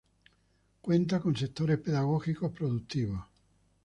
Cuenta con sectores pedagógicos productivos.